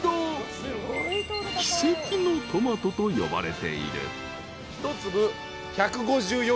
［奇跡のトマトと呼ばれている］